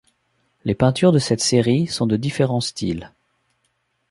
Les peintures de cette série sont de différents styles.